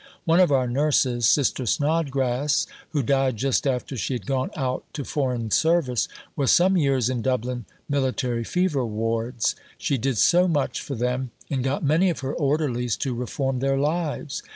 One of our nurses, Sister Snodgrass, who died just after she had gone out to foreign service, was some years in Dublin military fever wards. She did so much for them, and got many of her orderlies to reform their lives.